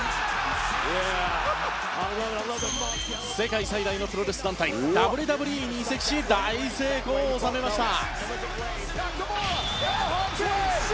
世界最大のプロレス団体ＷＷＥに移籍し大成功を収めました。